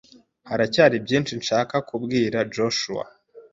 Haracyari byinshi nshaka kubwira Joshua.